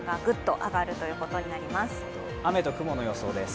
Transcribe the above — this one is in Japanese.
雨と雲の予想です。